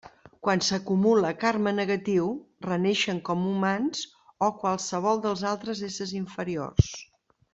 Quan s'acumula karma negatiu, reneixen com humans o qualsevol dels altres éssers inferiors.